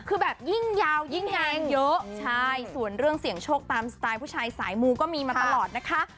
คือแบบยิ่งยาวยิ่งแรงเยอะใช่ส่วนเรื่องเสี่ยงโชคตามสไตล์ผู้ชายสายมูก็มีมาตลอดนะคะ